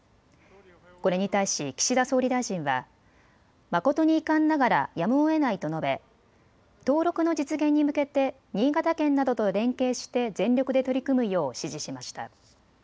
これに対し岸田総理大臣は誠に遺憾ながらやむをえないと述べ登録の実現に向けて新潟県などと連携して全力で取り組むよう指示しました。